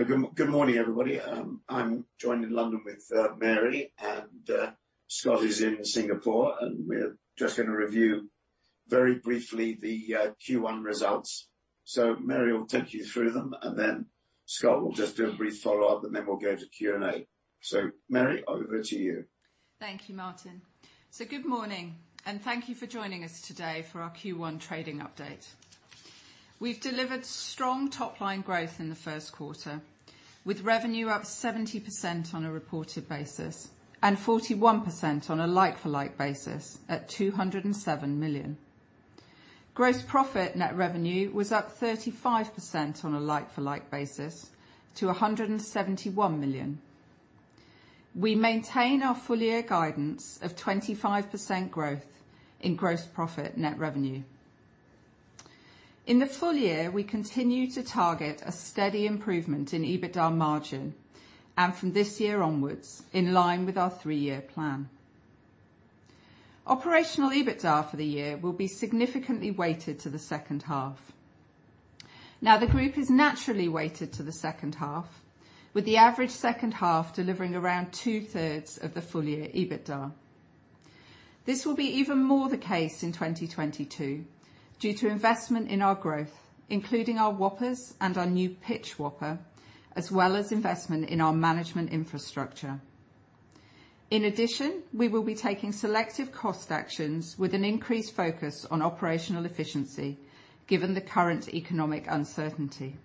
Good morning, everybody. I'm joined in London with Mary, and Scott is in Singapore, and we're just gonna review very briefly the Q1 results. Mary will take you through them, and then Scott will just do a brief follow-up, and then we'll go to Q&A. Mary, over to you. Thank you, Martin. Good morning, and thank you for joining us today for our Q1 trading update. We've delivered strong top-line growth in the first quarter, with revenue up 70% on a reported basis and 41% on a like-for-like basis at £207 million. Gross profit net revenue was up 35% on a like-for-like basis to £171 million. We maintain our full year guidance of 25% growth in gross profit net revenue. In the full year, we continue to target a steady improvement in EBITDA margin, and from this year onwards, in line with our three-year plan. Operational EBITDA for the year will be significantly weighted to the second half. Now, the group is naturally weighted to the second half, with the average second half delivering around two-thirds of the full year EBITDA. This will be even more the case in 2022 due to investment in our growth, including our Whoppers and our new pitch Whopper, as well as investment in our management infrastructure. In addition, we will be taking selective cost actions with an increased focus on operational efficiency given the current economic uncertainty.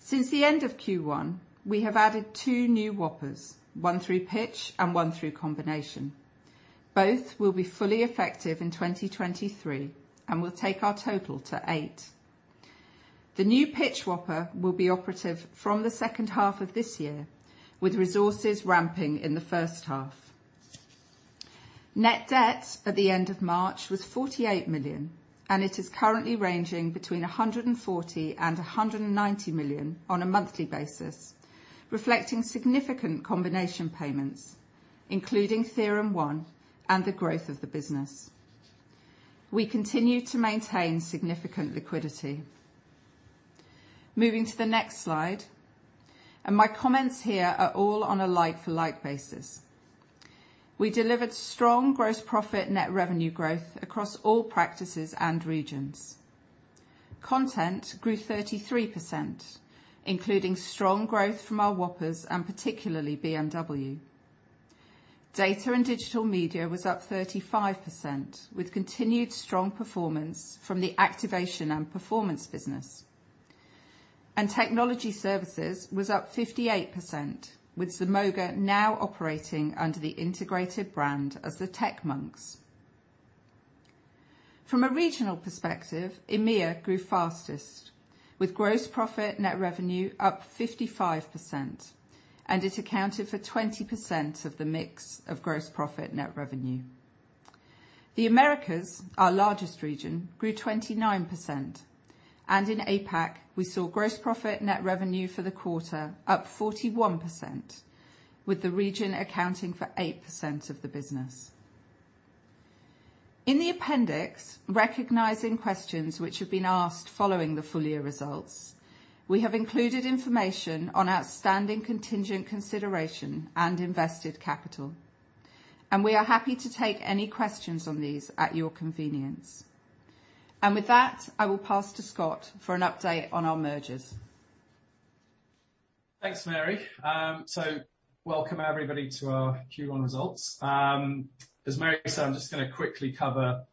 Since the end of Q1, we have added 2 new Whoppers, one through pitch and one through combination. Both will be fully effective in 2023 and will take our total to 8. The new pitch Whopper will be operative from the second half of this year, with resources ramping in the first half. Net debt at the end of March was £48 million, and it is currently ranging between £140 million and £190 million on a monthly basis, reflecting significant combination payments, including TheoremOne and the growth of the business. We continue to maintain significant liquidity. Moving to the next slide, and my comments here are all on a like-for-like basis. We delivered strong gross profit net revenue growth across all practices and regions. Content grew 33%, including strong growth from our WAPAs and particularly BMW. Data & Digital Media was up 35%, with continued strong performance from the activation and performance business. Technology Services was up 58%, with Zemoga now operating under the integrated brand as the Tech Monks. From a regional perspective, EMEA grew fastest, with gross profit net revenue up 55%, and it accounted for 20% of the mix of gross profit net revenue. The Americas, our largest region, grew 29%, and in APAC, we saw gross profit net revenue for the quarter up 41%, with the region accounting for 8% of the business. In the appendix, recognizing questions which have been asked following the full year results, we have included information on outstanding contingent consideration and invested capital, and we are happy to take any questions on these at your convenience. With that, I will pass to Scott for an update on our mergers. Thanks, Mary. Welcome everybody to our Q1 results. As Mary said, I'm just gonna quickly cover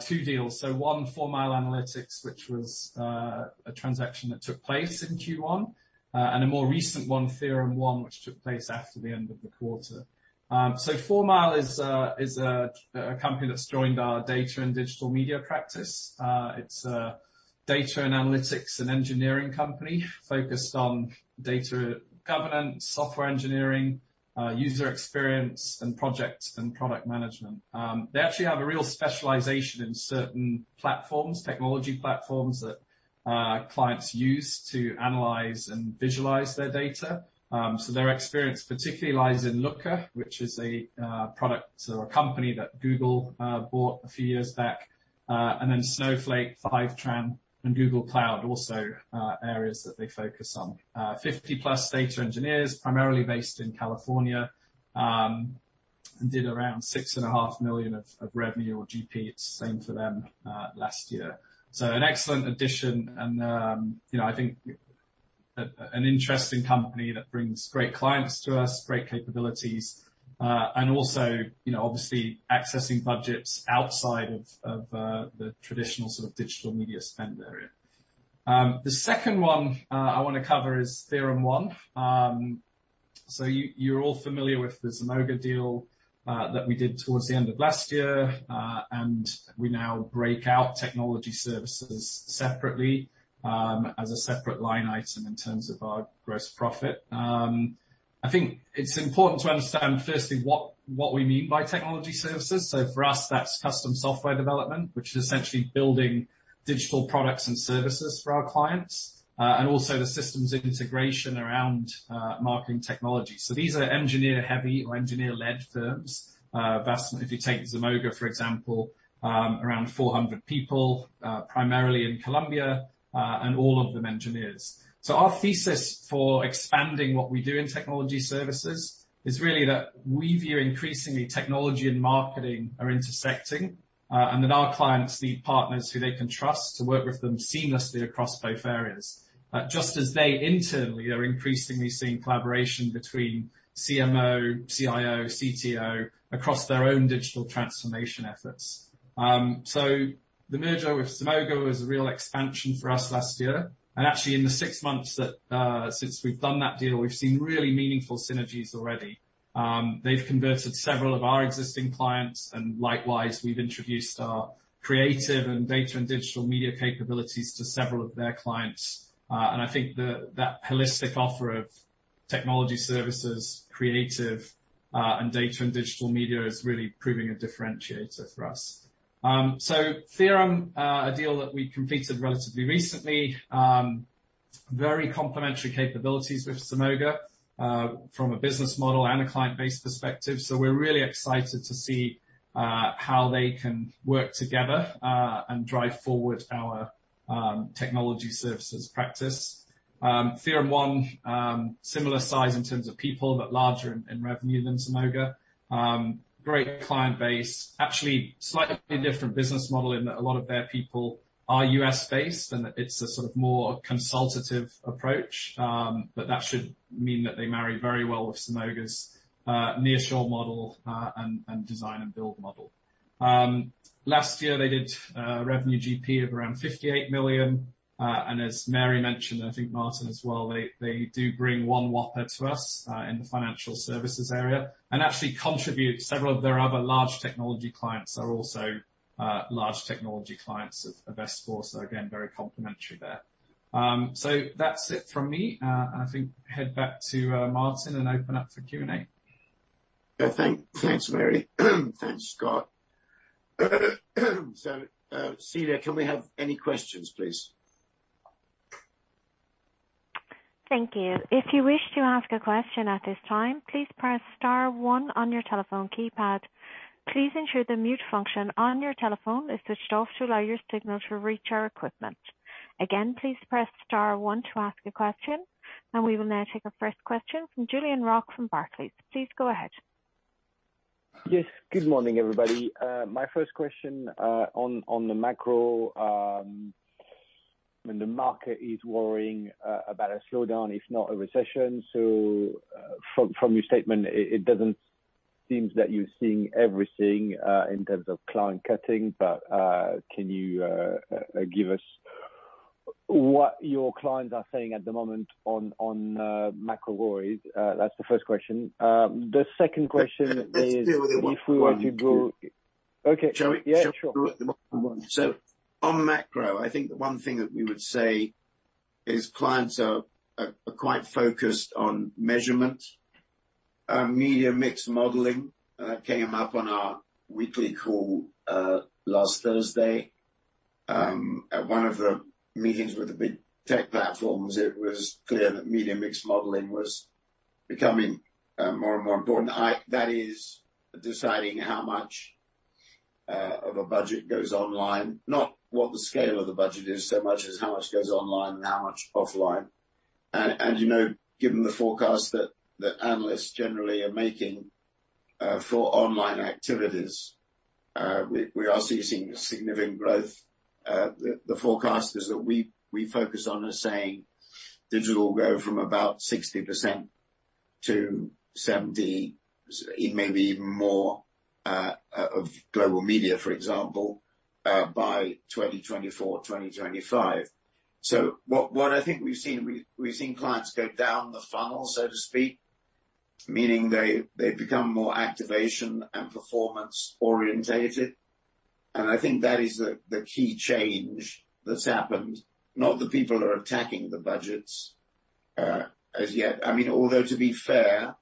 two deals. One, 4Mile Analytics, which was a transaction that took place in Q1, and a more recent one, TheoremOne, which took place after the end of the quarter. 4Mile Analytics is a company that's joined our Data & Digital Media practice. It's a data and analytics and engineering company focused on data governance, software engineering, user experience and project and product management. They actually have a real specialization in certain platforms, technology platforms that clients use to analyze and visualize their data. Their experience particularly lies in Looker, which is a product or a company that Google bought a few years back. Snowflake, Fivetran, and Google Cloud are also areas that they focus on. 50+ data engineers, primarily based in California, and did around $6.5 million of revenue or gross profit. It's the same for them last year. An excellent addition and, you know, I think an interesting company that brings great clients to us, great capabilities, and also, you know, obviously accessing budgets outside of the traditional sort of digital media spend area. The second one I wanna cover is TheoremOne. You're all familiar with the Zemoga deal that we did towards the end of last year. We now break out technology services separately as a separate line item in terms of our gross profit. I think it's important to understand firstly what we mean by Technology Services. For us, that's custom software development, which is essentially building digital products and services for our clients, and also the systems integration around marketing technology. These are engineer-heavy or engineer-led firms. Thus, if you take Zemoga, for example, around 400 people, primarily in Colombia, and all of them engineers. Our thesis for expanding what we do in Technology Services is really that we view increasingly technology and marketing are intersecting, and that our clients need partners who they can trust to work with them seamlessly across both areas. Just as they internally are increasingly seeing collaboration between CMO, CIO, CTO across their own digital transformation efforts. The merger with Zemoga was a real expansion for us last year. Actually, in the six months since we've done that deal, we've seen really meaningful synergies already. They've converted several of our existing clients, and likewise, we've introduced our creative and data and digital media capabilities to several of their clients. I think that holistic offer of technology services, creative, and data and digital media is really proving a differentiator for us. TheoremOne, a deal that we completed relatively recently, very complementary capabilities with Zemoga, from a business model and a client base perspective. We're really excited to see how they can work together and drive forward our technology services practice. TheoremOne, similar size in terms of people, but larger in revenue than Zemoga. Great client base. Actually, slightly different business model in that a lot of their people are US-based, and it's a sort of more consultative approach. But that should mean that they marry very well with Zemoga's nearshore model and design and build model. Last year, they did revenue GP of around $58 million. And as Mary mentioned, I think Martin as well, they do bring one Whopper to us in the financial services area. Several of their other large technology clients are also large technology clients of S4. Again, very complementary there. That's it from me. I think head back to Martin and open up for Q&A. Yeah. Thanks, Mary. Thanks, Scott. Celia, can we have any questions, please? Thank you. If you wish to ask a question at this time, please press star one on your telephone keypad. Please ensure the mute function on your telephone is switched off to allow your signal to reach our equipment. Again, please press star one to ask a question. We will now take our first question from Julien Roch from Barclays. Please go ahead. Yes, good morning, everybody. My first question on the macro, when the market is worrying about a slowdown, if not a recession. From your statement, it doesn't seem that you're seeing everything in terms of client cutting. Can you give us what your clients are saying at the moment on macro worries? That's the first question. The second question is if we were to go- Let's deal with the one. Okay. Shall we? Yeah, sure. On macro, I think the one thing that we would say is clients are quite focused on measurement. Media mix modeling came up on our weekly call last Thursday. At one of the meetings with the big tech platforms, it was clear that media mix modeling was becoming more and more important. That is deciding how much of a budget goes online, not what the scale of the budget is so much as how much goes online and how much offline. You know, given the forecast that analysts generally are making for online activities, we are still seeing significant growth. The forecasters that we focus on are saying digital will go from about 60% to 70%, it may be even more, of global media, for example, by 2024, 2025. What I think we've seen clients go down the funnel, so to speak, meaning they become more activation and performance oriented. I think that is the key change that's happened, not that people are attacking the budgets, as yet. I mean, although, to be fair,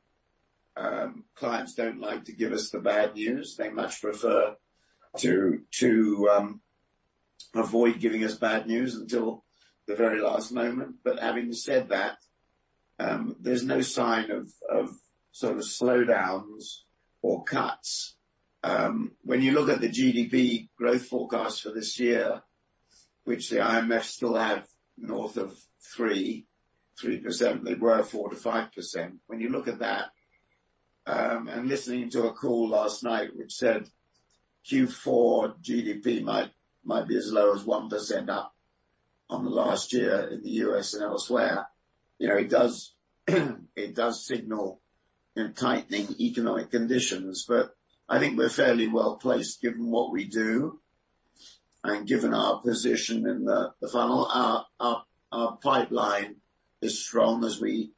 clients don't like to give us the bad news. They much prefer to avoid giving us bad news until the very last moment. Having said that, there's no sign of sort of slowdowns or cuts. When you look at the GDP growth forecast for this year, which the IMF still have north of 3.3%. They were at 4%-5%. When you look at that, and listening to a call last night which said Q4 GDP might be as low as 1% up on the last year in the U.S. and elsewhere, you know, it does signal a tightening economic conditions. I think we're fairly well-placed given what we do. Given our position in the funnel, our pipeline is strong, as we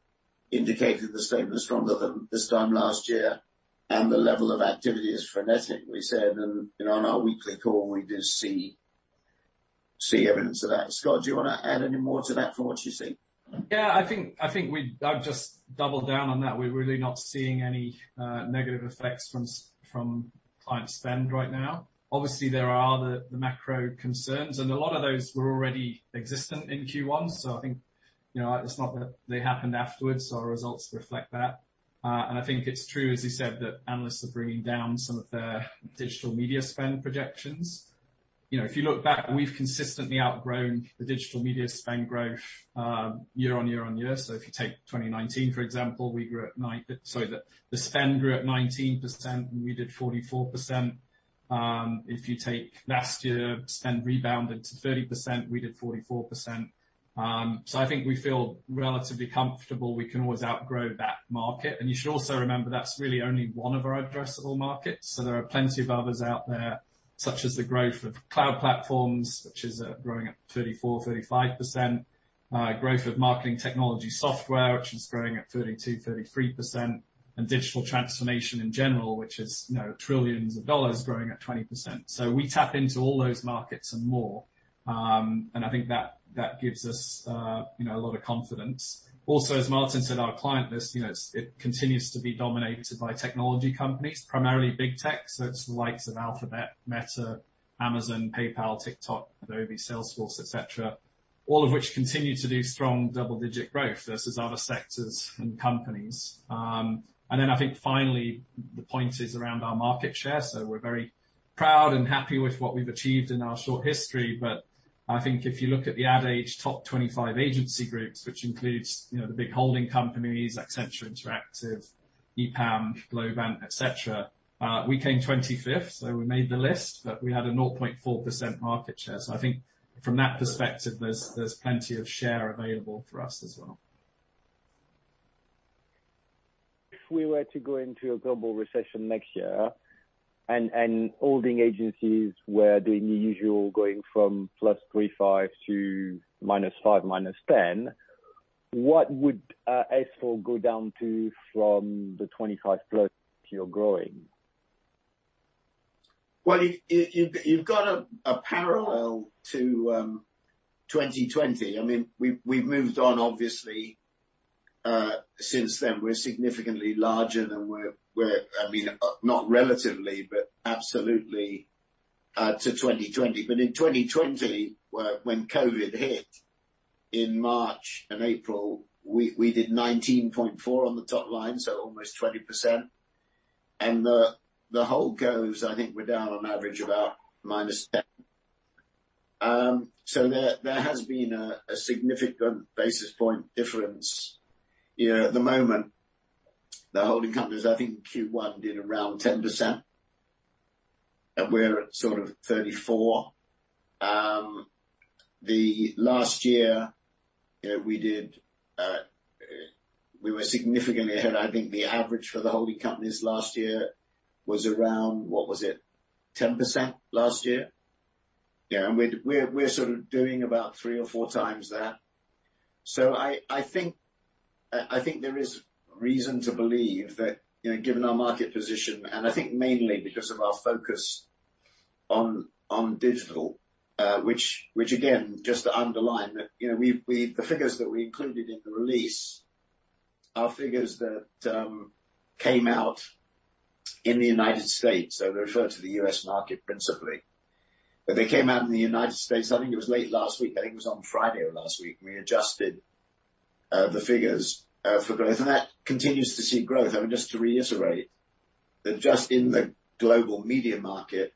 indicated the same was stronger than this time last year, and the level of activity is frenetic, we said. You know, on our weekly call, we did see evidence of that. Scott, do you wanna add any more to that from what you see? Yeah, I think I'll just double down on that. We're really not seeing any negative effects from client spend right now. Obviously, there are the macro concerns, and a lot of those were already existent in Q1. I think, you know, it's not that they happened afterwards, our results reflect that. I think it's true, as you said, that analysts are bringing down some of their digital media spend projections. You know, if you look back, we've consistently outgrown the digital media spend growth year-over-year. If you take 2019, for example, the spend grew at 19% and we did 44%. If you take last year, spend rebounded to 30%, we did 44%. I think we feel relatively comfortable we can always outgrow that market. You should also remember that's really only one of our addressable markets. There are plenty of others out there, such as the growth of cloud platforms, which is growing at 34%-35%. Growth of marketing technology software, which is growing at 32%-33%. Digital transformation in general, which is, you know, trillions of dollars growing at 20%. We tap into all those markets and more, and I think that gives us, you know, a lot of confidence. Also, as Martin said, our client list, you know, it continues to be dominated by technology companies, primarily big tech, so it's the likes of Alphabet, Meta, Amazon, PayPal, TikTok, Adobe, Salesforce, et cetera. All of which continue to do strong double-digit growth versus other sectors and companies. I think finally the point is around our market share. We're very proud and happy with what we've achieved in our short history. I think if you look at the Ad Age top 25 agency groups, which includes, you know, the big holding companies, Accenture Interactive, EPAM, Globant, et cetera, we came 25th, so we made the list, but we had a 0.4% market share. I think from that perspective, there's plenty of share available for us as well. If we were to go into a global recession next year and holding agencies were doing the usual, going from +3-5% to -5%-10%, what would S4 go down to from the 25+% you're growing? Well, you've got a parallel to 2020. I mean, we've moved on obviously since then. We're significantly larger than we were. I mean, not relatively, but absolutely to 2020. In 2020 when COVID hit in March and April, we did 19.4% on the top line, so almost 20%. The holding companies, I think, are down on average about -10%. So there has been a significant basis point difference. You know, at the moment, the holding companies, I think Q1 did around 10%, and we're at sort of 34%. The last year, you know, we were significantly ahead. I think the average for the holding companies last year was around, what was it? 10% last year. Yeah, we're sort of doing about 3 or 4 times that. I think there is reason to believe that, you know, given our market position, and I think mainly because of our focus on digital, which again, just to underline that, you know, we've. The figures that we included in the release are figures that came out in the United States. They refer to the US market principally. They came out in the United States, I think it was late last week. I think it was on Friday of last week. We adjusted the figures for growth, and that continues to see growth. I mean, just to reiterate that just in the global media market,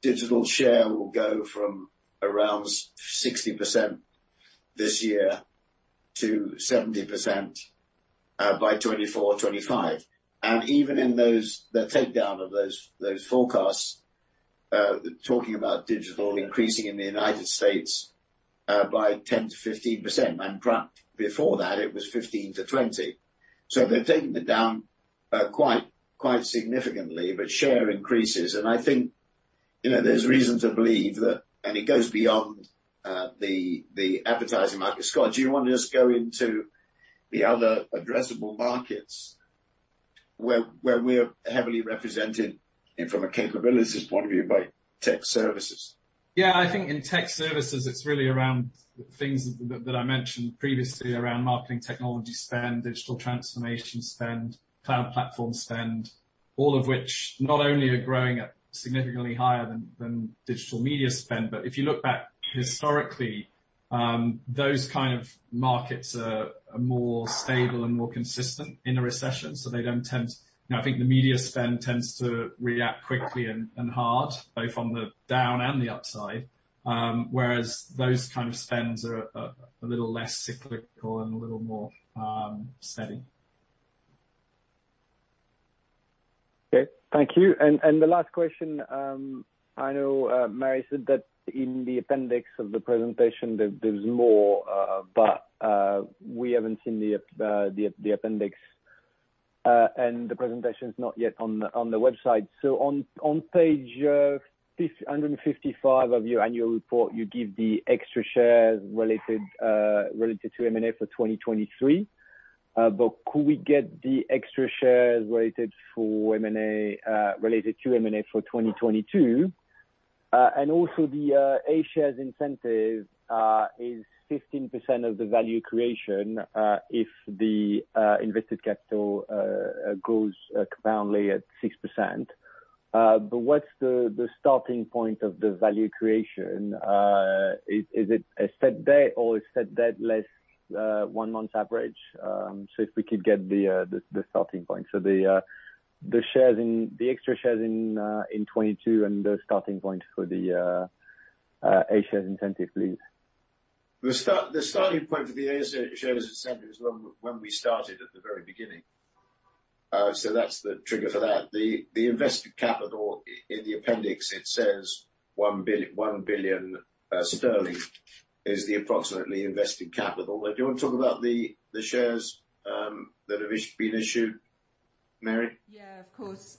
digital share will go from around 60% this year to 70% by 2024-2025. Even in those, the takedown of those forecasts, talking about digital increasing in the United States by 10%-15%, and prior before that it was 15%-20%. So they've taken it down quite significantly, but share increases. I think, you know, there's reason to believe that, and it goes beyond the advertising market. Scott, do you wanna just go into the other addressable markets where we're heavily represented and from a capabilities point of view by tech services? Yeah, I think in tech services, it's really around things that I mentioned previously around marketing technology spend, digital transformation spend, cloud platform spend, all of which not only are growing at significantly higher than digital media spend, but if you look back historically, those kind of markets are more stable and more consistent in a recession, so they don't tend. You know, I think the media spend tends to react quickly and hard both on the down and the upside, whereas those kind of spends are a little less cyclical and a little more steady. Okay. Thank you. The last question, I know Mary said that in the appendix of the presentation there's more, but we haven't seen the appendix and the presentation's not yet on the website. On page 555 of your annual report, you give the extra shares related to M&A for 2023. Could we get the extra shares related to M&A for 2022? Also the A shares incentive is 15% of the value creation if the invested capital compounds at 6%. What's the starting point of the value creation? Is it a set date or a set date less one month average? If we could get the starting point. The extra shares in 2022 and the starting point for the A shares incentive, please. The start, the starting point for the A shares incentive is when we started at the very beginning. That's the trigger for that. The invested capital in the appendix, it says £1 billion is approximately the invested capital. Do you want to talk about the shares that have been issued, Mary? Yeah, of course.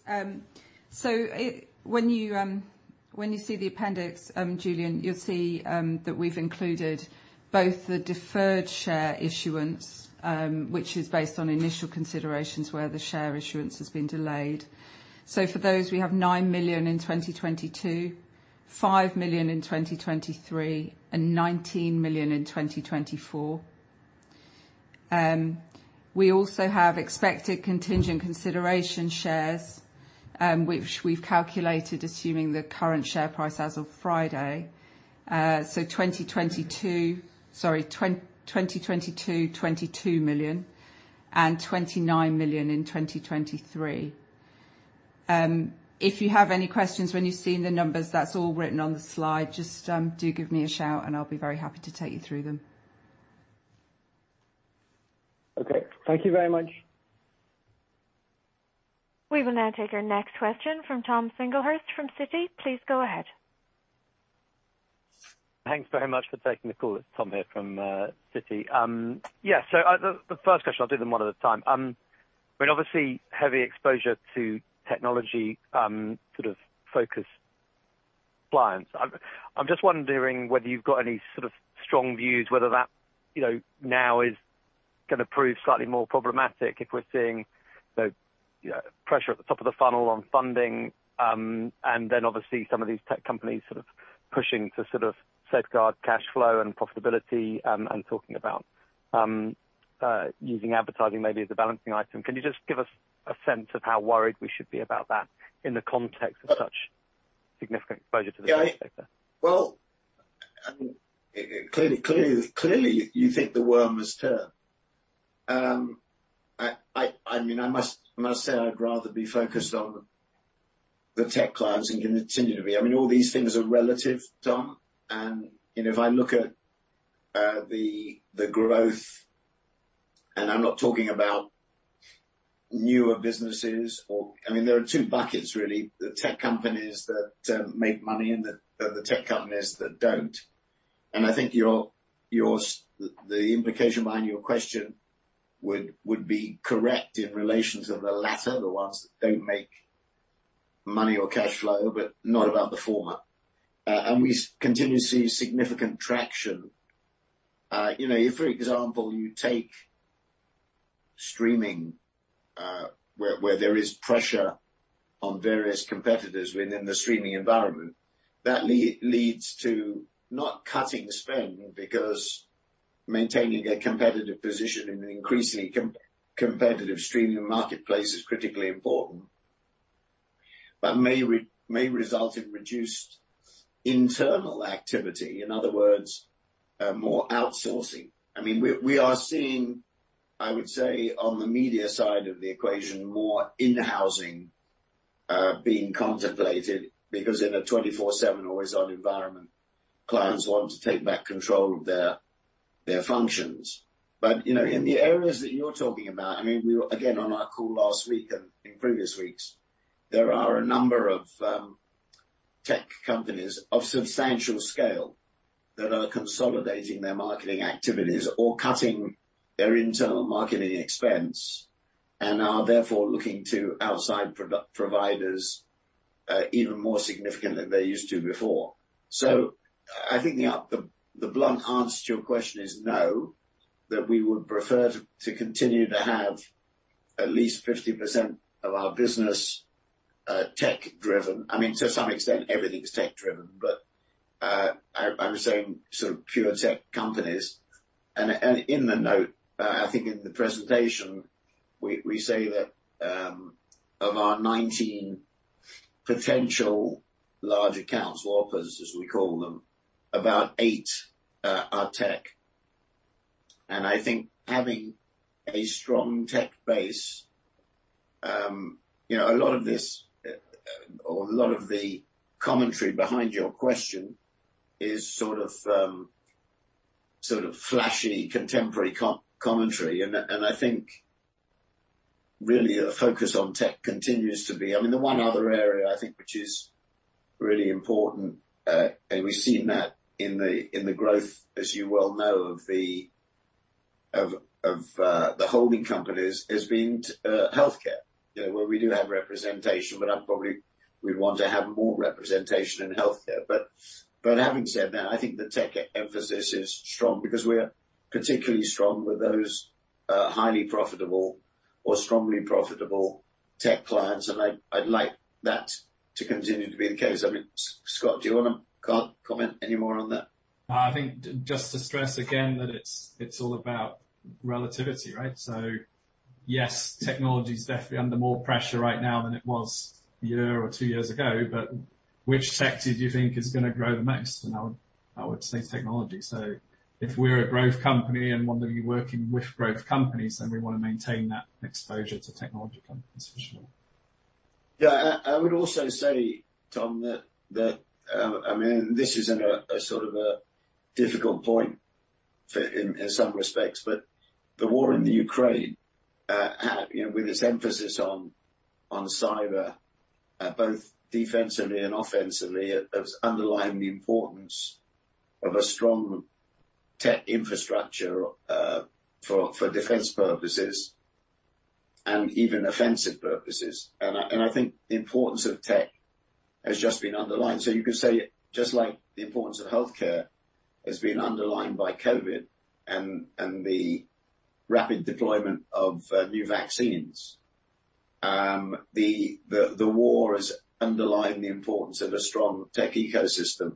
When you see the appendix, Julien, you'll see that we've included both the deferred share issuance, which is based on initial considerations where the share issuance has been delayed. For those, we have 9 million in 2022, 5 million in 2023, and 19 million in 2024. We also have expected contingent consideration shares, which we've calculated assuming the current share price as of Friday. 2022, 22 million and 29 million in 2023. If you have any questions when you're seeing the numbers, that's all written on the slide. Just do give me a shout, and I'll be very happy to take you through them. Okay. Thank you very much. We will now take our next question from Tom Singlehurst from Citi. Please go ahead. Thanks very much for taking the call. It's Tom here from Citi. Yeah, the first question, I'll do them one at a time. I mean, obviously heavy exposure to technology sort of focused clients. I'm just wondering whether you've got any sort of strong views whether that, you know, now is gonna prove slightly more problematic if we're seeing the, you know, pressure at the top of the funnel on funding, and then obviously some of these tech companies sort of pushing to sort of safeguard cash flow and profitability, and talking about using advertising maybe as a balancing item. Can you just give us a sense of how worried we should be about that in the context of such significant exposure to the sector? Yeah, well, I mean, clearly you think the worm has turned. I mean, I must say I'd rather be focused on the tech clients and continue to be. I mean, all these things are relative, Tom. You know, if I look at the growth, and I'm not talking about newer businesses. I mean, there are two buckets really, the tech companies that make money and the tech companies that don't. I think the implication behind your question would be correct in relation to the latter, the ones that don't make money or cash flow, but not about the former. We continue to see significant traction. You know, if for example, you take streaming, where there is pressure on various competitors within the streaming environment, that leads to not cutting spend because maintaining a competitive position in an increasingly competitive streaming marketplace is critically important, but may result in reduced internal activity. In other words, more outsourcing. I mean, we are seeing, I would say, on the media side of the equation, more in-housing being contemplated because in a 24/7 always-on environment, clients want to take back control of their functions. You know, in the areas that you're talking about, I mean, we Again, on our call last week and in previous weeks, there are a number of tech companies of substantial scale that are consolidating their marketing activities or cutting their internal marketing expense and are therefore looking to outside providers even more significant than they used to before. I think the blunt answer to your question is no, that we would prefer to continue to have at least 50% of our business tech driven. I mean, to some extent, everything's tech driven, but I'm saying sort of pure tech companies. In the note, I think in the presentation, we say that of our 19 potential large accounts or whoppertunities, as we call them, about 8 are tech. I think having a strong tech base, you know, a lot of this, or a lot of the commentary behind your question is sort of, sort of flashy contemporary commentary. I think really a focus on tech continues to be. I mean, the one other area I think which is really important, and we've seen that in the growth, as you well know, of the holding companies has been healthcare. You know, where we do have representation, but we'd want to have more representation in healthcare. Having said that, I think the tech emphasis is strong because we're particularly strong with those highly profitable or strongly profitable tech clients, and I'd like that to continue to be the case. I mean, Scott, do you wanna comment any more on that? No, I think just to stress again that it's all about relativity, right? Yes, technology is definitely under more pressure right now than it was a year or two years ago, but which sector do you think is gonna grow the most? I would say technology. If we're a growth company and want to be working with growth companies, then we wanna maintain that exposure to technology companies for sure. Yeah. I would also say, Tom, that I mean, this is in a sort of a difficult point for in some respects, but the war in Ukraine, you know, with its emphasis on cyber, both defensively and offensively, it has underlined the importance of a strong tech infrastructure for defense purposes and even offensive purposes. I think the importance of tech has just been underlined. You could say just like the importance of healthcare has been underlined by COVID and the rapid deployment of new vaccines, the war has underlined the importance of a strong tech ecosystem,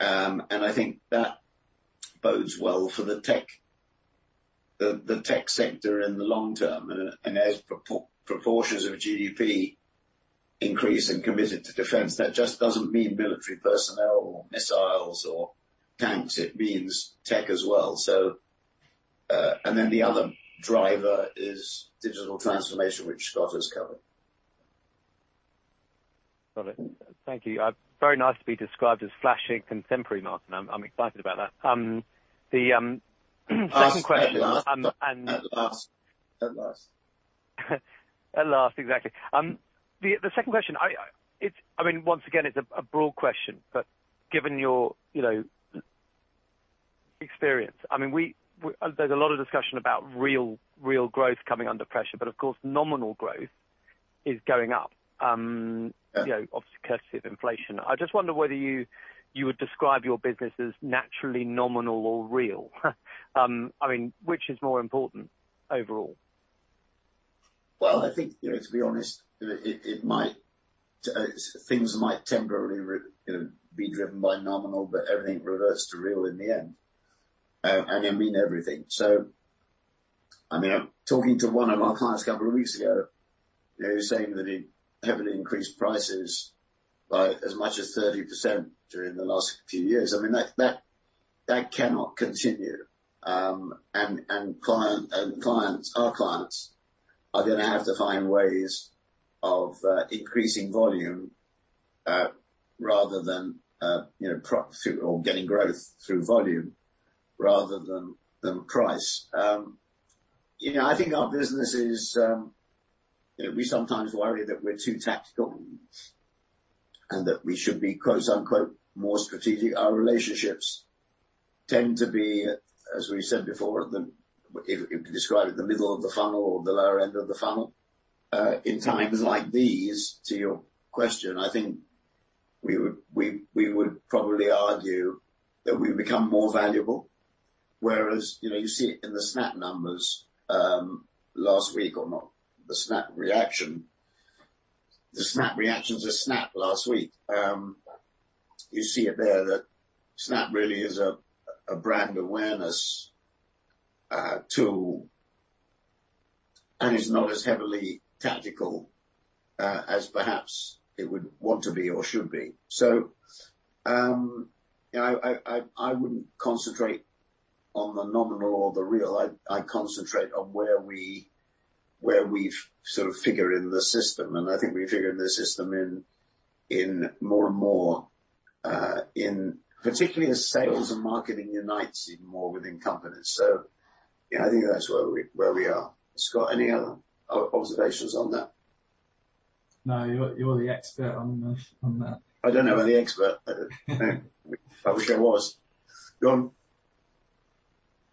and I think that bodes well for the tech sector in the long term. As proportions of GDP increase and committed to defense, that just doesn't mean military personnel or missiles or tanks. It means tech as well. The other driver is digital transformation, which Scott has covered. Got it. Thank you. Very nice to be described as flashy, contemporary, Martin. I'm excited about that. The second question. At last. At last, exactly. The second question. It's a broad question, but given your experience, I mean, there's a lot of discussion about real growth coming under pressure, but of course, nominal growth is going up, you know, obviously current inflation. I just wonder whether you would describe your business as naturally nominal or real. I mean, which is more important overall? I think, you know, to be honest, it might, things might temporarily, you know, be driven by nominal, but everything reverts to real in the end. I mean everything. I mean, I'm talking to one of our clients a couple of weeks ago, you know, saying that he heavily increased prices by as much as 30% during the last few years. I mean, that cannot continue. Clients, our clients are gonna have to find ways of increasing volume rather than, you know, getting growth through volume rather than price. You know, I think our business is, you know, we sometimes worry that we're too tactical and that we should be, quote-unquote, more strategic. Our relationships tend to be, as we said before, the If you describe it, the middle of the funnel or the lower end of the funnel. In times like these, to your question, I think we would probably argue that we've become more valuable, whereas, you know, you see it in the Snap numbers last week or not, the Snap reaction. The Snap reactions of Snap last week. You see it there that Snap really is a brand awareness tool and is not as heavily tactical as perhaps it would want to be or should be. You know, I wouldn't concentrate on the nominal or the real. I'd concentrate on where we've sort of figured in the system, and I think we figured in the system in more and more, in particularly as sales and marketing unites even more within companies. You know, I think that's where we are. Scott, any other observations on that? No, you're the expert on that. I don't know if I'm the expert. I wish I was. Go on.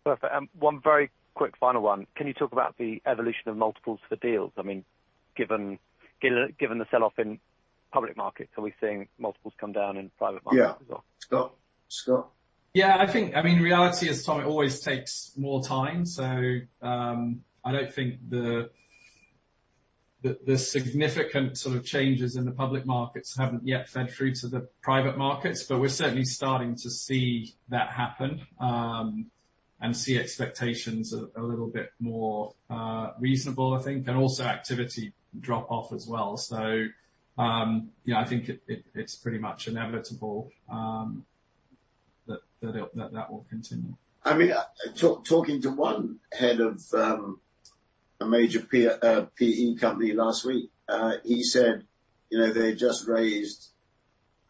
Perfect. One very quick final one. Can you talk about the evolution of multiples for deals? I mean, given the sell-off in public markets, are we seeing multiples come down in private markets as well? Yeah. Scott? Scott? Yeah, I think, I mean, reality is, Tom, it always takes more time, so, I don't think the significant sort of changes in the public markets haven't yet fed through to the private markets, but we're certainly starting to see that happen, and see expectations a little bit more reasonable, I think, and also activity drop off as well. Yeah, I think it's pretty much inevitable that it will continue. I mean, talking to one head of a major PE company last week, he said, you know, they just raised,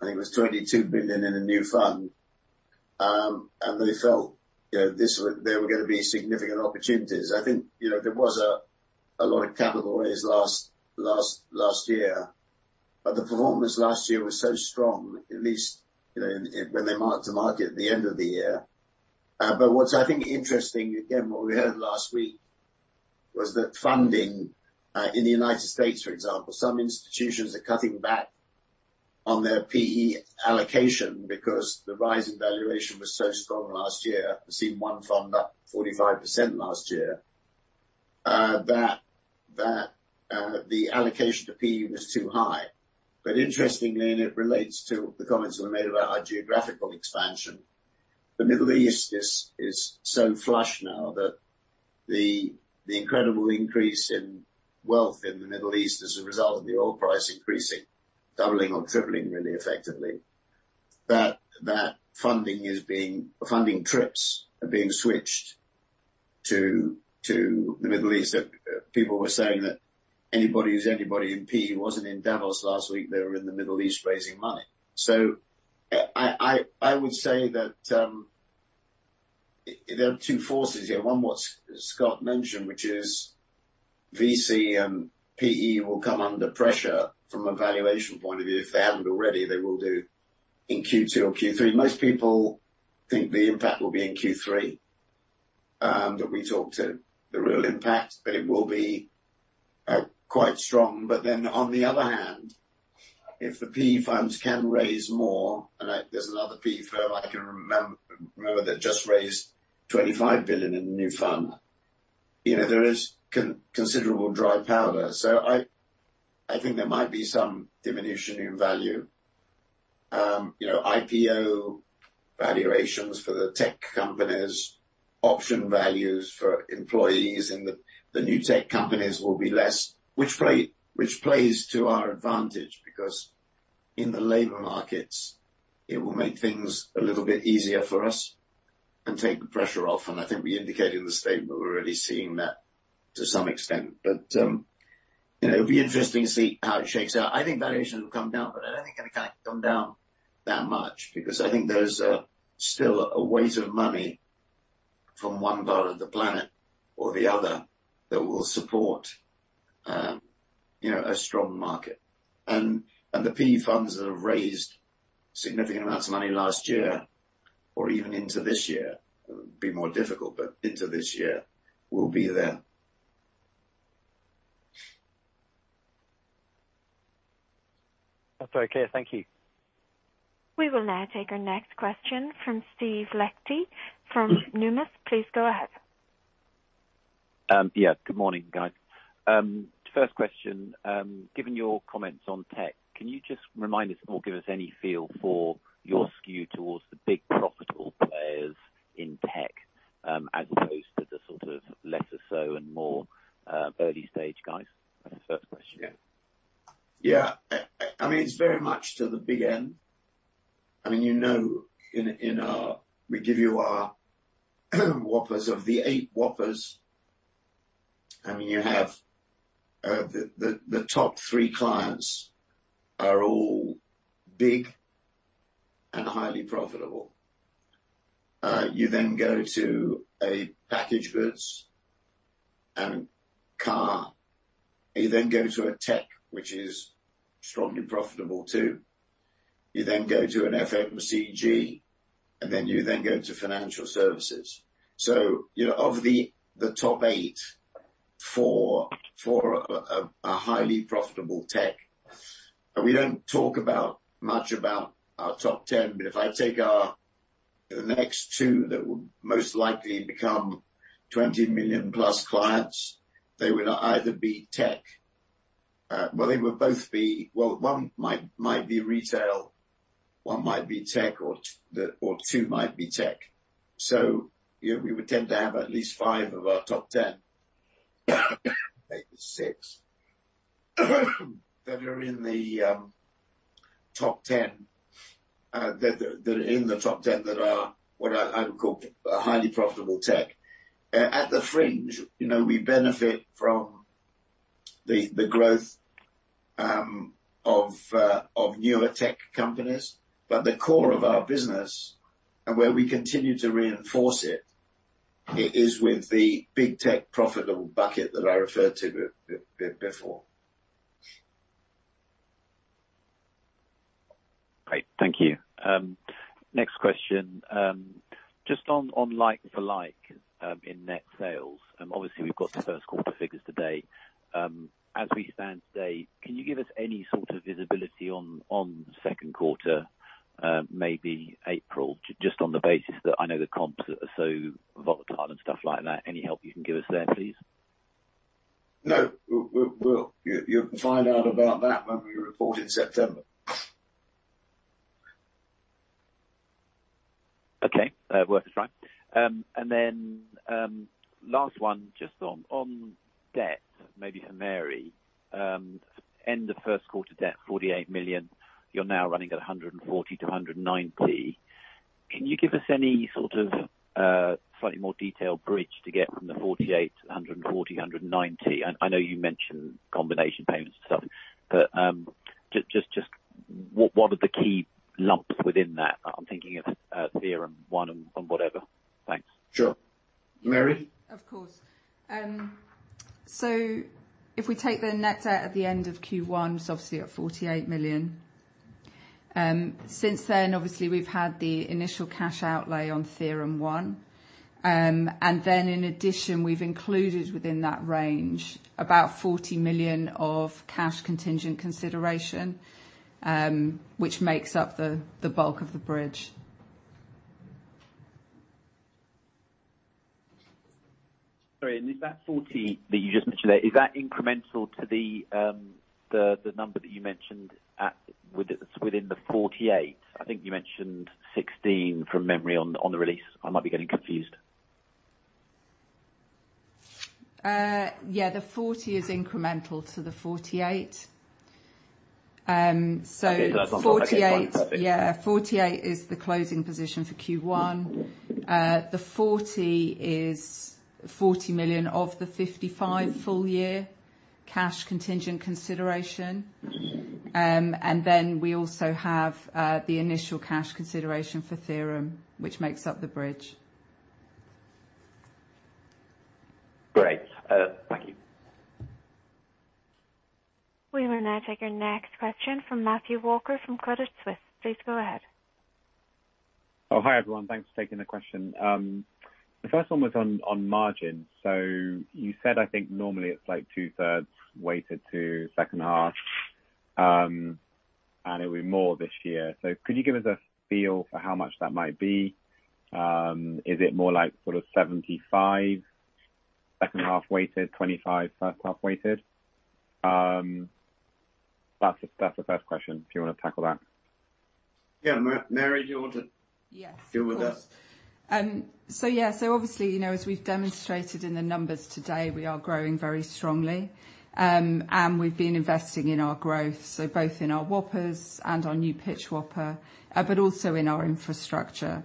I think it was $22 billion in a new fund, and they felt, you know, there were gonna be significant opportunities. I think, you know, there was a lot of capital raised last year. The performance last year was so strong, at least, you know, when they marked to market at the end of the year. What I think interesting, again, what we heard last week, was that funding in the United States, for example, some institutions are cutting back on their PE allocation because the rise in valuation was so strong last year. I've seen one fund up 45% last year. That the allocation to PE was too high. Interestingly, and it relates to the comments that were made about our geographical expansion. The Middle East is so flush now that the incredible increase in wealth in the Middle East as a result of the oil price increasing, doubling or tripling really effectively, that funding trips are being switched to the Middle East. People were saying that anybody who's anybody in PE wasn't in Davos last week, they were in the Middle East raising money. I would say that there are two forces here. One what Scott mentioned, which is VC and PE will come under pressure from a valuation point of view. If they haven't already, they will do in Q2 or Q3. Most people think the impact will be in Q3 that we talk to. The real impact, but it will be quite strong. On the other hand, if the PE funds can raise more, there's another PE firm I can remember that just raised $25 billion in a new fund. There is considerable dry powder. I think there might be some diminution in value. IPO valuations for the tech companies, option values for employees in the new tech companies will be less. Which plays to our advantage, because in the labor markets, it will make things a little bit easier for us and take the pressure off, and I think we indicated in the statement we're already seeing that to some extent. It'll be interesting to see how it shakes out. I think valuations will come down, but I don't think they're gonna come down that much because I think there's still a weight of money from one part of the planet or the other that will support, you know, a strong market. The PE funds that have raised significant amounts of money last year or even into this year, it would be more difficult, but into this year will be there. That's very clear. Thank you. We will now take our next question from Steve Liechti from Numis. Please go ahead. Yeah. Good morning, guys. First question. Given your comments on tech, can you just remind us or give us any feel for your skew towards the big profitable players in tech, as opposed to the sort of lesser so and more early-stage guys? That's the first question. I mean it's very much to the big end. I mean, you know, in our we give you our whoppers. Of the 8 whoppers, I mean, you have the top three clients are all big and highly profitable. You then go to a packaged goods and car. You then go to a tech which is strongly profitable too. You then go to an FMCG, and then you go to financial services. So, you know, of the top eight, four are highly profitable tech. We don't talk much about our top 10, but if I take the next two that will most likely become $20 million-plus clients, they will either be tech. They would both be. One might be retail, one might be tech or two might be tech. We would tend to have at least 5 of our top 10 maybe 6 that are in the top 10 that are what I would call a highly profitable tech. At the fringe, you know, we benefit from the growth of newer tech companies. The core of our business and where we continue to reinforce it is with the big tech profitable bucket that I referred to before. Great. Thank you. Next question. Just on like for like in net sales, obviously we've got the first quarter figures today. As we stand today, can you give us any sort of visibility on second quarter, maybe April? Just on the basis that I know the comps are so volatile and stuff like that. Any help you can give us there, please? No. You'll find out about that when we report in September. Last one, just on debt, maybe for Mary. End of first quarter debt, £48 million, you're now running at £140 million-£190 million. Can you give us any sort of slightly more detailed bridge to get from the £48 million to £140 million-£190 million? I know you mentioned combination payments and stuff. Just what are the key lumps within that? I'm thinking of TheoremOne and whatever. Thanks. Sure. Mary? Of course. If we take the net debt at the end of Q1, it's obviously at £48 million. Since then, obviously we've had the initial cash outlay on TheoremOne. In addition, we've included within that range about £40 million of cash contingent consideration, which makes up the bulk of the bridge. Sorry, is that 40 that you just mentioned, is that incremental to the number that you mentioned at, within the 48? I think you mentioned 16 from memory on the release. I might be getting confused. Yeah, the 40 is incremental to the 48. Okay. That's what I thought. 48 is the closing position for Q1. The 40 is £40 million of the 55 full year cash contingent consideration. We also have the initial cash consideration for TheoremOne, which makes up the bridge. Great. Thank you. We will now take our next question from Matthew Walker from Credit Suisse. Please go ahead. Oh, hi, everyone. Thanks for taking the question. The first one was on margin. You said, I think, normally it's like two-thirds weighted to second half, and it'll be more this year. Could you give us a feel for how much that might be? Is it more like sort of 75% second half weighted, 25% first half weighted? That's the first question, if you wanna tackle that. Yeah. Mary, do you want to- Yes. Go with that. Yeah. Obviously, you know, as we've demonstrated in the numbers today, we are growing very strongly. We've been investing in our growth, both in our whoppers and our new pitch whopper, but also in our infrastructure.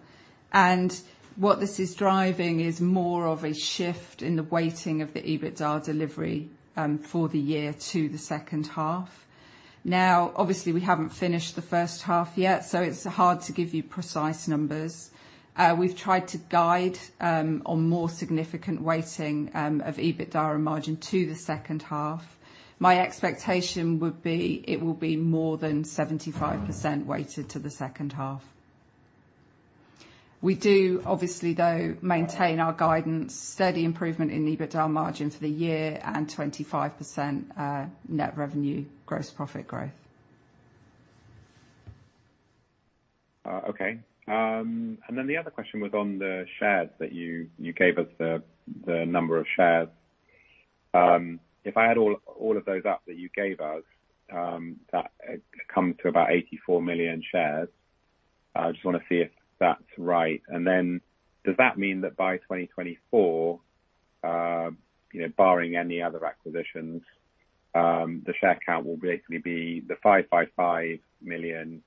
What this is driving is more of a shift in the weighting of the EBITDA delivery for the year to the second half. Obviously we haven't finished the first half yet, so it's hard to give you precise numbers. We've tried to guide on more significant weighting of EBITDA margin to the second half. My expectation would be it will be more than 75% weighted to the second half. We do obviously though maintain our guidance, steady improvement in EBITDA margin for the year and 25% net revenue, gross profit growth. Okay. The other question was on the shares that you gave us the number of shares. If I add all of those up that you gave us, that comes to about 84 million shares. I just wanna see if that's right. Then does that mean that by 2024, you know, barring any other acquisitions, the share count will basically be the 555 million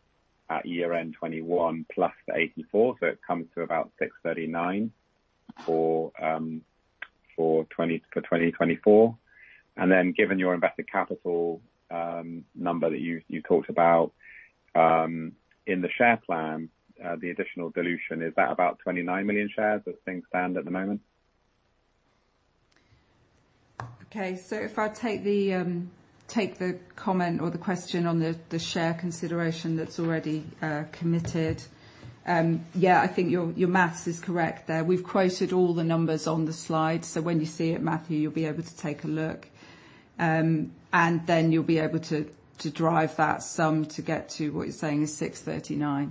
at year-end 2021 plus the 84, so it comes to about 639 for 2024. Given your invested capital number that you talked about in the share plan, the additional dilution, is that about 29 million shares as things stand at the moment? Okay. If I take the comment or the question on the share consideration that's already committed, yeah, I think your math is correct there. We've quoted all the numbers on the slide, so when you see it, Matthew, you'll be able to take a look. You'll be able to drive that sum to get to what you're saying is £639.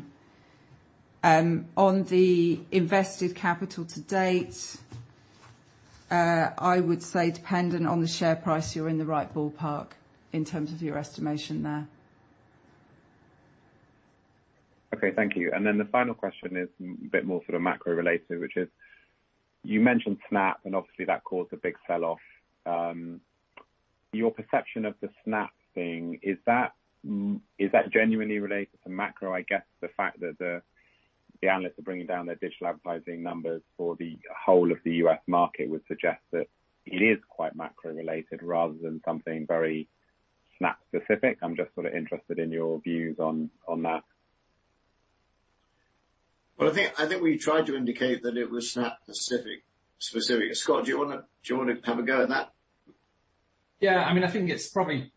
On the invested capital to date, I would say, dependent on the share price, you're in the right ballpark in terms of your estimation there. Okay, thank you. Then the final question is a bit more sort of macro related, which is you mentioned Snap and obviously that caused a big sell off. Your perception of the Snap thing, is that genuinely related to macro? I guess the fact that the analysts are bringing down their digital advertising numbers for the whole of the U.S. market would suggest that it is quite macro related rather than something very Snap specific. I'm just sort of interested in your views on that. Well, I think we tried to indicate that it was Snap specific. Scott, do you wanna have a go at that? Yeah, I mean, I think it's probably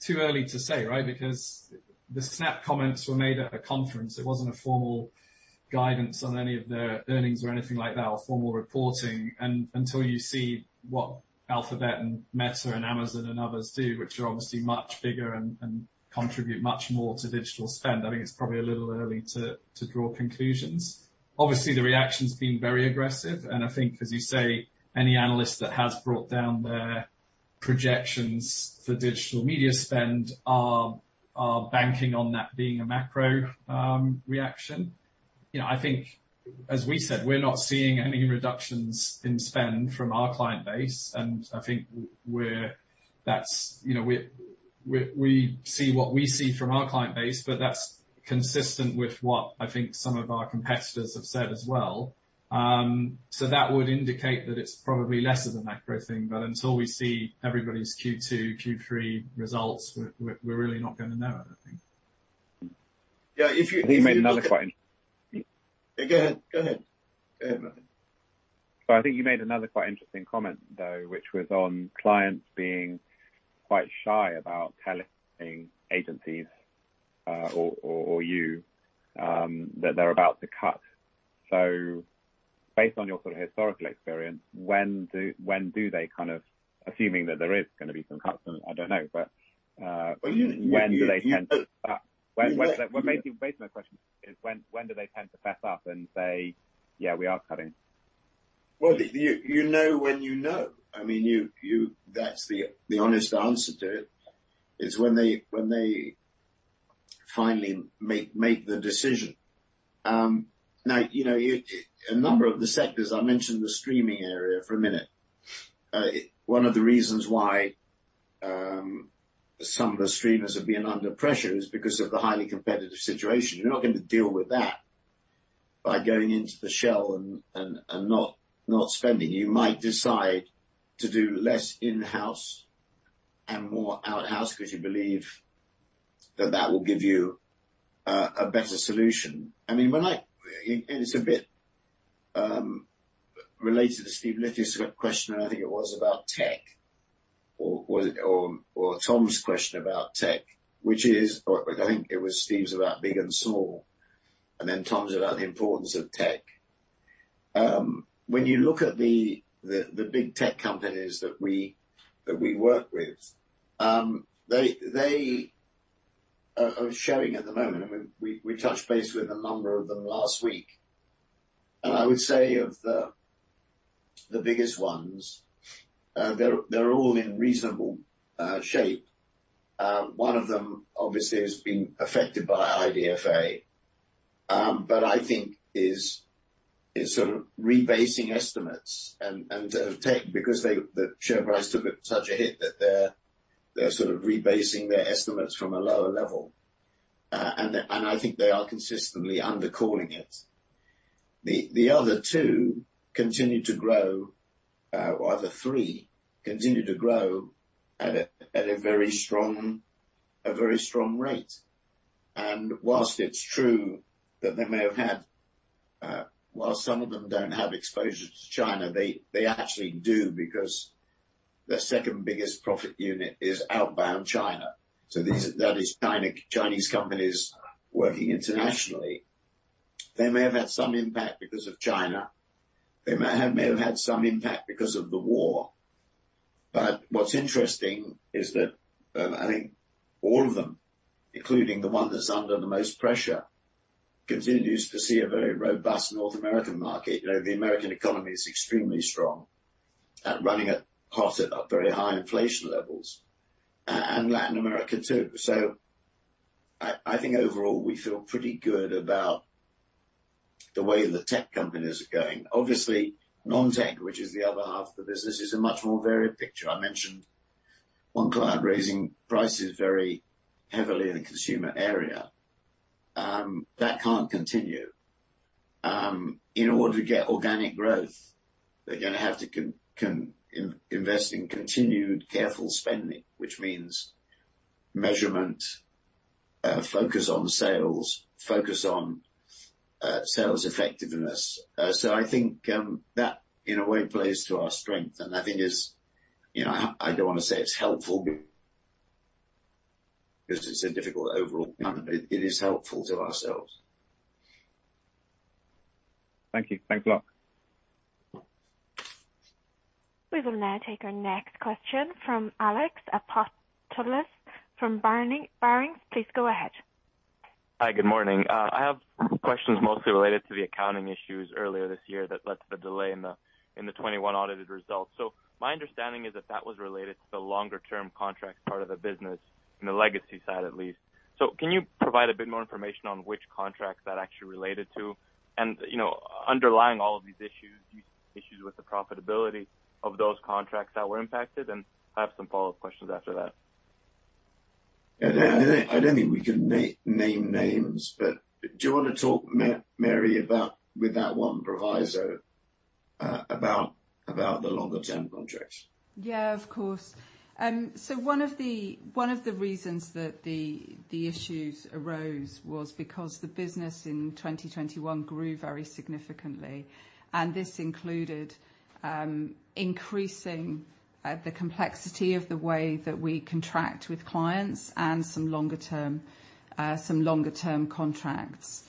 too early to say, right? Because the Snap comments were made at a conference. It wasn't a formal guidance on any of their earnings or anything like that, or formal reporting. Until you see what Alphabet and Meta and Amazon and others do, which are obviously much bigger and contribute much more to digital spend, I think it's probably a little early to draw conclusions. Obviously, the reaction's been very aggressive, and I think, as you say, any analyst that has brought down their projections for digital media spend are banking on that being a macro reaction. You know, I think as we said, we're not seeing any reductions in spend from our client base, and I think that's, you know, we see what we see from our client base, but that's consistent with what I think some of our competitors have said as well. That would indicate that it's probably less of the macro thing, but until we see everybody's Q2, Q3 results, we're really not gonna know, I don't think. Yeah, if you You made another quite. Go ahead, go ahead. Go ahead, Martin. I think you made another quite interesting comment, though, which was on clients being quite shy about telling agencies or you that they're about to cut. Based on your sort of historical experience, when do they kind of. Assuming that there is gonna be some cuts, and I don't know, but. Well, you When do they tend to cut? You- Well, maybe my basic question is when do they tend to fess up and say, "Yeah, we are cutting"? You know when you know. I mean, that's the honest answer to it. It's when they finally make the decision. Now, you know, a number of the sectors, I mentioned the streaming area for a minute. One of the reasons why some of the streamers have been under pressure is because of the highly competitive situation. You're not gonna deal with that by going into the shell and not spending. You might decide to do less in-house and more out-house 'cause you believe that that will give you a better solution. I mean, it is a bit related to Steve Liechti's question, and I think it was about tech or Tom's question about tech, which is. I think it was Steve's about big and small, and then Tom's about the importance of tech. When you look at the big tech companies that we work with, they are showing at the moment. I mean, we touched base with a number of them last week. I would say of the biggest ones, they're all in reasonable shape. One of them obviously has been affected by IDFA, but I think is sort of rebasing estimates and of tech because the share price took such a hit that they're sort of rebasing their estimates from a lower level. I think they are consistently undercalling it. The three continue to grow at a very strong rate. While it's true that some of them don't have exposure to China, they actually do because their second biggest profit unit is outbound China. That is Chinese companies working internationally. They may have had some impact because of China. They may have had some impact because of the war. What's interesting is that I think all of them, including the one that's under the most pressure, continues to see a very robust North American market. You know, the American economy is extremely strong at running a cost at very high inflation levels, and Latin America too. I think overall, we feel pretty good about the way the tech companies are going. Obviously, non-tech, which is the other half of the business, is a much more varied picture. I mentioned one client raising prices very heavily in the consumer area. That can't continue. In order to get organic growth, they're gonna have to invest in continued careful spending, which means measurement, focus on sales, focus on sales effectiveness. I think that in a way plays to our strength, and I think it is, you know, I don't wanna say it's helpful because it's a difficult overall economy. It is helpful to ourselves. Thank you. Thanks a lot. We will now take our next question from Alex Apostolidis from Barings. Please go ahead. Hi, good morning. I have questions mostly related to the accounting issues earlier this year that led to the delay in the 2021 audited results. My understanding is that that was related to the longer term contract part of the business in the legacy side at least. Can you provide a bit more information on which contracts that actually related to? You know, underlying all of these issues, do you see issues with the profitability of those contracts that were impacted? I have some follow-up questions after that. Yeah. I don't think we can name names, but do you wanna talk, Mary, about with that one proviso, about the longer term contracts? Yeah, of course. One of the reasons that the issues arose was because the business in 2021 grew very significantly, and this included increasing the complexity of the way that we contract with clients and some longer term contracts.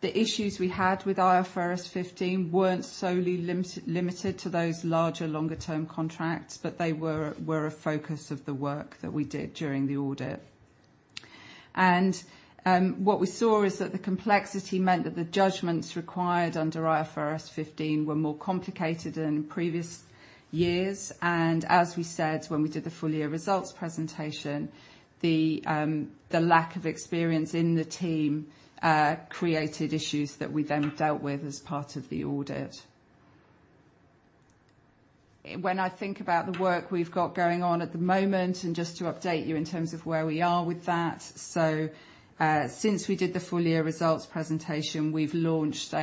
The issues we had with IFRS 15 weren't solely limited to those larger longer term contracts, but they were a focus of the work that we did during the audit. What we saw is that the complexity meant that the judgments required under IFRS 15 were more complicated than in previous years. As we said when we did the full year results presentation, the lack of experience in the team created issues that we then dealt with as part of the audit. When I think about the work we've got going on at the moment, and just to update you in terms of where we are with that. Since we did the full year results presentation, we've launched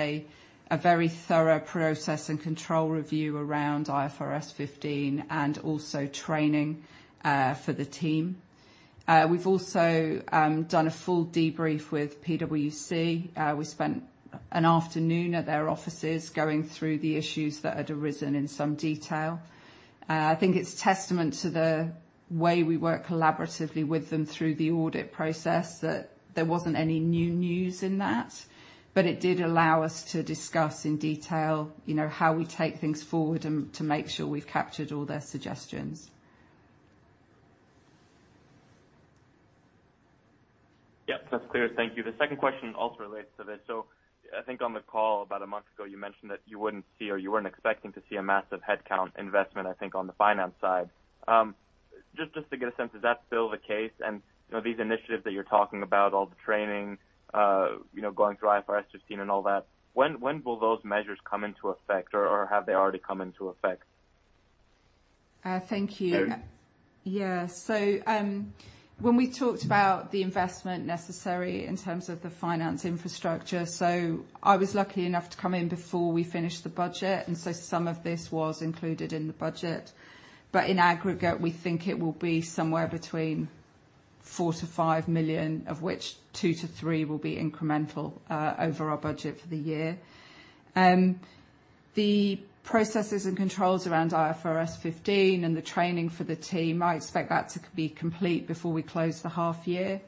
a very thorough process and control review around IFRS 15 and also training for the team. We've also done a full debrief with PwC. We spent an afternoon at their offices going through the issues that had arisen in some detail. I think it's testament to the way we work collaboratively with them through the audit process that there wasn't any new news in that, but it did allow us to discuss in detail, you know, how we take things forward and to make sure we've captured all their suggestions. Yep. That's clear. Thank you. The second question also relates to this. I think on the call about a month ago, you mentioned that you wouldn't see or you weren't expecting to see a massive headcount investment, I think, on the finance side. Just to get a sense, is that still the case? You know, these initiatives that you're talking about, all the training, you know, going through IFRS 15 and all that, when will those measures come into effect or have they already come into effect? Thank you. Mary. Yeah. When we talked about the investment necessary in terms of the finance infrastructure, so I was lucky enough to come in before we finished the budget, and so some of this was included in the budget. In aggregate, we think it will be somewhere between £4 million-£5 million, of which £2-3 will be incremental over our budget for the year. The processes and controls around IFRS 15 and the training for the team, I expect that to be complete before we close the half year.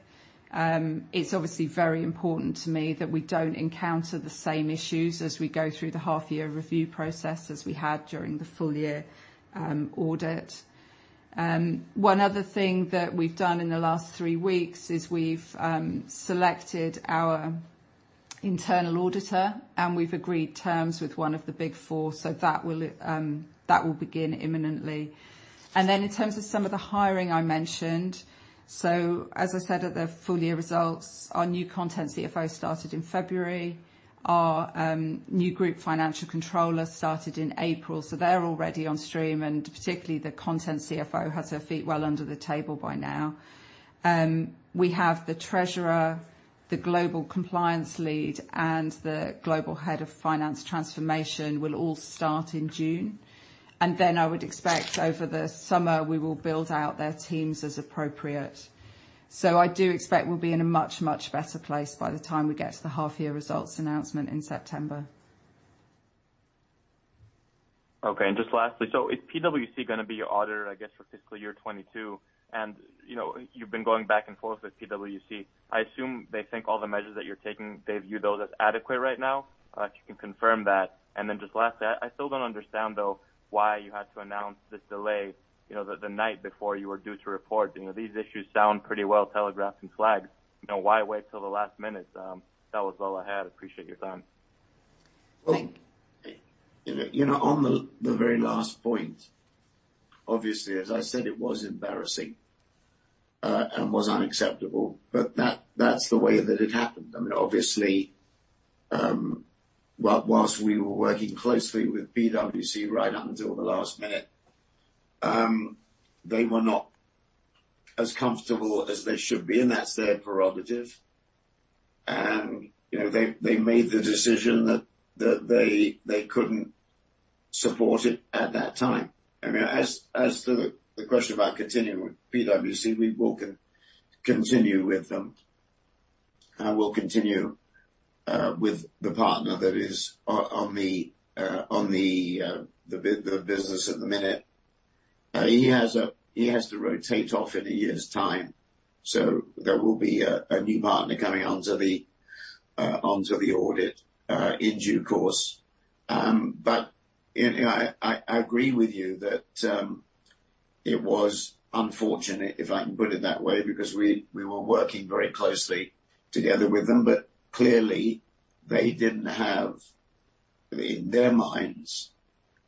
It's obviously very important to me that we don't encounter the same issues as we go through the half year review process as we had during the full year audit. One other thing that we've done in the last three weeks is we've selected our internal auditor, and we've agreed terms with one of the Big Four firms, so that will begin imminently. In terms of some of the hiring I mentioned, as I said at the full year results, our new Content CFO started in February. Our new group financial controller started in April. They're already on stream, and particularly the Content CFO has her feet well under the table by now. We have the treasurer, the global compliance lead, and the global head of finance transformation will all start in June. I would expect over the summer, we will build out their teams as appropriate. I do expect we'll be in a much, much better place by the time we get to the half year results announcement in September. Okay. Just lastly, so is PwC gonna be your auditor, I guess, for fiscal year 2022? You know, you've been going back and forth with PwC. I assume they think all the measures that you're taking, they view those as adequate right now. If you can confirm that. Just lastly, I still don't understand, though, why you had to announce this delay, you know, the night before you were due to report. You know, these issues sound pretty well telegraphed and flagged. You know, why wait till the last minute? That was all I had. Appreciate your time. Well, you know, on the very last point, obviously, as I said, it was embarrassing and was unacceptable, but that's the way that it happened. I mean, obviously, while we were working closely with PwC right up until the last minute, they were not as comfortable as they should be, and that's their prerogative. You know, they made the decision that they couldn't support it at that time. I mean, as to the question about continuing with PwC, we will continue with them, and we'll continue with the partner that is on the business at the minute. He has to rotate off in a year's time, so there will be a new partner coming onto the audit in due course. You know, I agree with you that it was unfortunate, if I can put it that way, because we were working very closely together with them, but clearly in their minds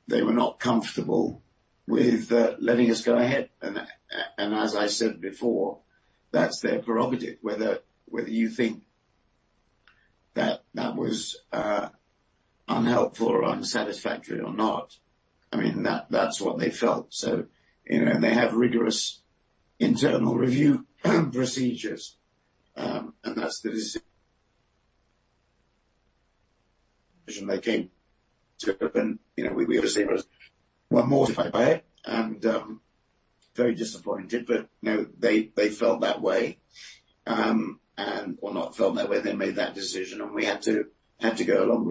they were not comfortable with letting us go ahead. As I said before, that's their prerogative. Whether you think that was unhelpful or unsatisfactory or not, I mean, that's what they felt. You know, they have rigorous internal review procedures, and that's the decision they came to. You know, we obviously were mortified by it and very disappointed, but you know, they felt that way or not felt that way. They made that decision, and we had to go along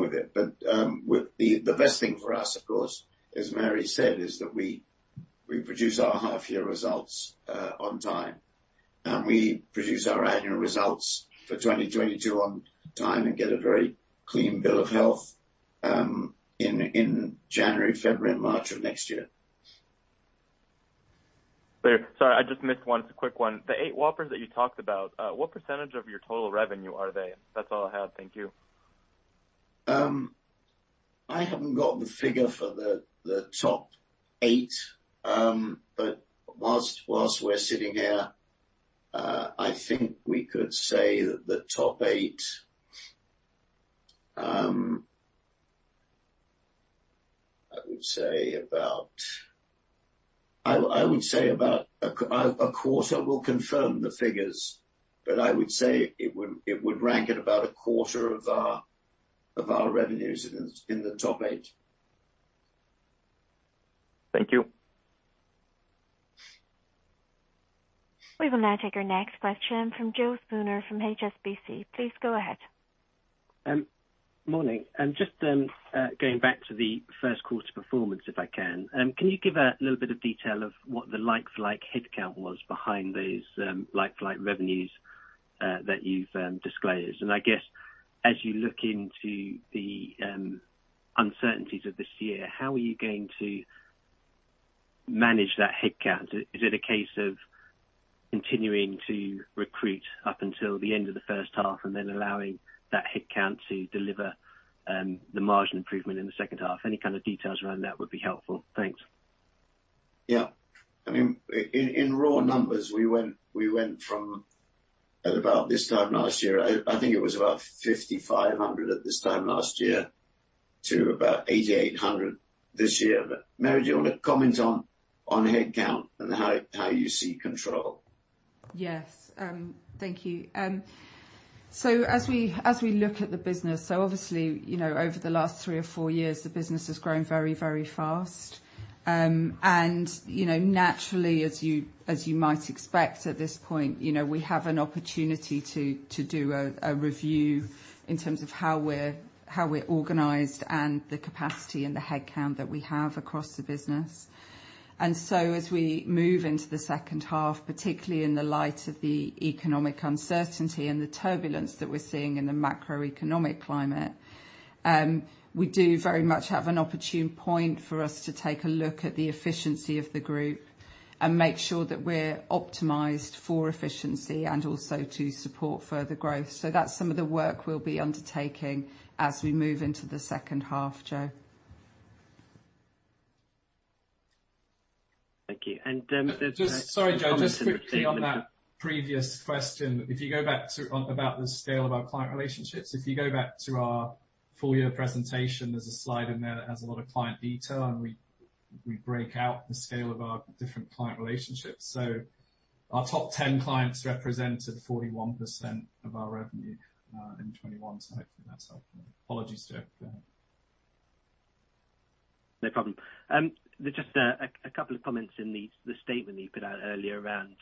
with it. The best thing for us, of course, as Mary said, is that we produce our half year results on time, and we produce our annual results for 2022 on time and get a very clean bill of health in January, February, and March of next year. Clear. Sorry, I just missed one. It's a quick one. The eight Whoppers that you talked about, what percentage of your total revenue are they? That's all I had. Thank you. I haven't got the figure for the top eight. But while we're sitting here, I think we could say that the top eight, I would say about a quarter. We'll confirm the figures, but I would say it would rank at about a quarter of our revenues in the top eight. Thank you. We will now take our next question from Joe Spooner from HSBC. Please go ahead. Morning. Just going back to the first quarter performance, if I can you give a little bit of detail of what the like-for-like headcount was behind those like-for-like revenues that you've disclosed? I guess as you look into the uncertainties of this year, how are you going to manage that headcount? Is it a case of continuing to recruit up until the end of the first half and then allowing that headcount to deliver the margin improvement in the second half? Any kind of details around that would be helpful. Thanks. Yeah. I mean, in raw numbers, we went from about 5,500 at this time last year to about 8,800 this year. Mary, do you want to comment on headcount and how you see control? Yes. Thank you. As we look at the business, obviously, you know, over the last three or four years the business has grown very, very fast. You know, naturally as you might expect at this point, you know, we have an opportunity to do a review in terms of how we're organized and the capacity and the headcount that we have across the business. As we move into the second half, particularly in the light of the economic uncertainty and the turbulence that we're seeing in the macroeconomic climate, we do very much have an opportune point for us to take a look at the efficiency of the group and make sure that we're optimized for efficiency and also to support further growth. That's some of the work we'll be undertaking as we move into the second half, Joe. Thank you. Sorry, Joe. Just quickly on that previous question. If you go back to our full year presentation, there's a slide in there that has a lot of client detail, and we break out the scale of our different client relationships. Our top 10 clients represented 41% of our revenue in 2021, so hopefully that's helpful. Apologies, Joe, for that. No problem. There just a couple of comments in the statement that you put out earlier around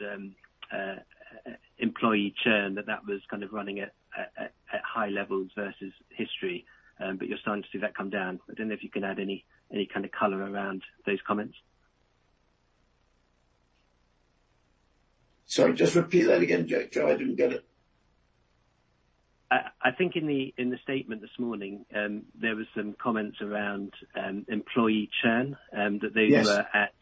employee churn, that was kind of running at high levels versus history. You're starting to see that come down. I don't know if you can add any kind of color around those comments. Sorry, just repeat that again, Joe. Joe, I didn't get it. I think in the statement this morning, there was some comments around employee churn. Yes ...that they were at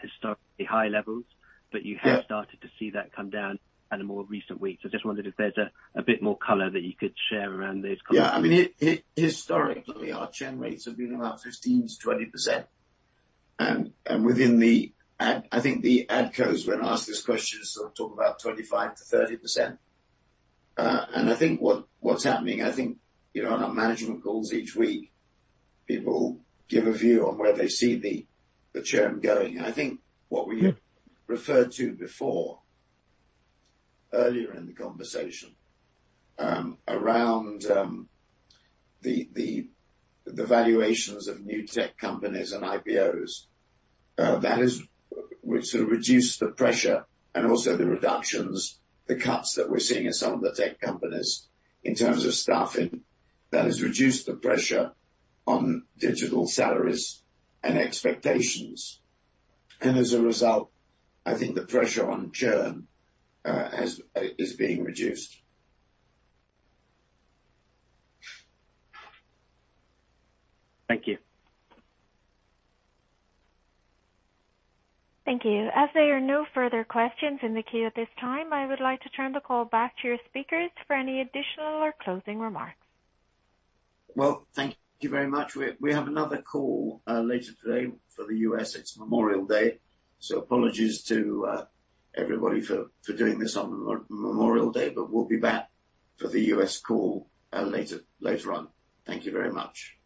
historically high levels. Yeah. You have started to see that come down at a more recent week. I just wondered if there's a bit more color that you could share around those comments. Yeah. I mean, historically our churn rates have been about 15%-20%. Within the ad, I think the adcos when asked this question sort of talk about 25%-30%. I think what's happening, I think, you know, on our management calls each week, people give a view on where they see the churn going. I think what we- Yeah referred to earlier in the conversation, around the valuations of new tech companies and IPOs, that's sort of reduced the pressure and also the reductions, the cuts that we're seeing in some of the tech companies in terms of staffing, that has reduced the pressure on digital salaries and expectations. As a result, I think the pressure on churn is being reduced. Thank you. Thank you. As there are no further questions in the queue at this time, I would like to turn the call back to your speakers for any additional or closing remarks. Well, thank you very much. We have another call later today for the US. It's Memorial Day. Apologies to everybody for doing this on Memorial Day, but we'll be back for the US call later on. Thank you very much.